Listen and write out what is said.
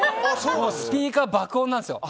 スピーカー爆音なんですよ。